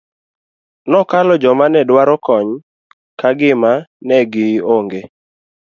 Nokalo joma ne dwaro kony ka gima ne gi ong'e.